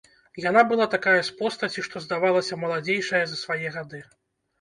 Яна была такая з постаці, што здавалася маладзейшая за свае гады.